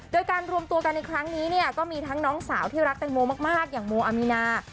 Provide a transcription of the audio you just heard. โดยการรวมตัวกันในครั้งนี้เนี่ยก็มีทั้งน้องสาวที่รักแตงโมมากอย่างโมอามีนา